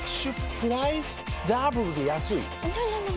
プライスダブルで安いＮｏ！